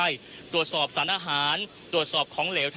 คุณทัศนาควดทองเลยค่ะ